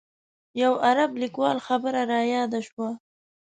یو عرب لیکوال خبره رایاده شوه.